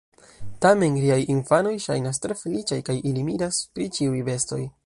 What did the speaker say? Tamen riaj infanoj ŝajnas tre feliĉaj, kaj ili miras pri ĉiuj bestoj.